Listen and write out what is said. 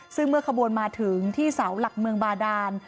ซึ่งเมื่อขบวนมาถึงที่เสาหลักเมืองบาดาน